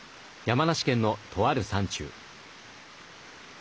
山梨県のとある山中。